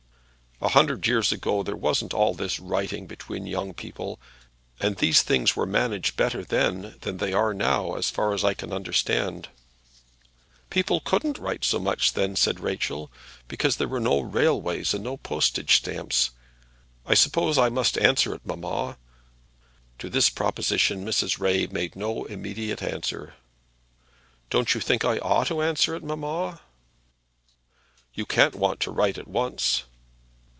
"A hundred years ago there wasn't all this writing between young people, and these things were managed better then than they are now, as far as I can understand." "People couldn't write so much then," said Rachel, "because there were no railways and no postage stamps. I suppose I must answer it, mamma?" To this proposition Mrs. Ray made no immediate answer. "Don't you think I ought to answer it, mamma?" "You can't want to write at once."